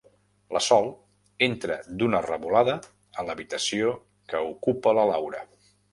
La Sol entra d'una revolada a l'habitació que ocupa la Laura.